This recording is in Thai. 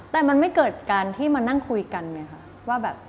แต่มันไม่เกิดการที่มานั่งคุยกันไงค่ะว่าแบบ